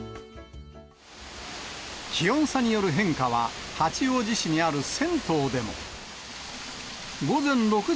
気温差による変化は、八王子市にある銭湯でも。